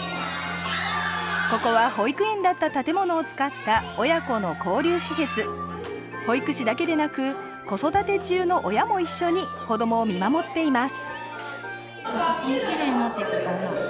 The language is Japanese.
ここは保育園だった建物を使った親子の交流施設保育士だけでなく子育て中の親も一緒に子どもを見守っています